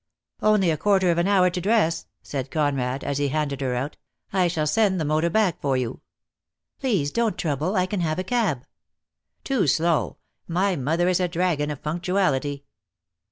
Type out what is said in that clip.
"Only a quarter of an hour to dress," said Conrad, as he handed her out. "I shall send the motor back for you." "Please don't trouble. I can have a cab." "Too slow. My mother is a dragon of punc tuality."